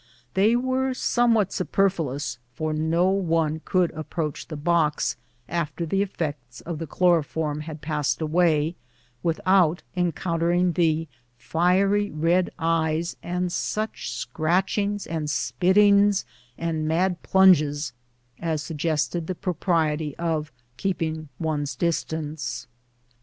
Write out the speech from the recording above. They were somewhat superfluous^ for no one could approach the box, after the effects of the chloro form had passed away, without encountering the fiery red eyes, and such scratchings and spittings and mad plunge^ as suggested the propriety of keeping one's distance.